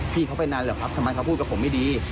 พี่เขาไปนานเหรอครับทำไมเขาพูดกับผมไม่ดี